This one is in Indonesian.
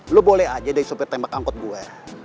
lo boleh aja deh supir tembak angkut gue